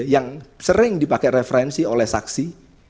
yang sering dipakai referensi oleh saksi